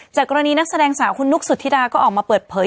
กรณีนักแสดงสาวคุณนุ๊กสุธิดาก็ออกมาเปิดเผย